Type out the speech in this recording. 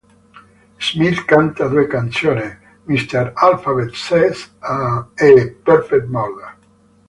Smith canta due canzoni: "Mr. Alphabet Says" e "Perfect Murder".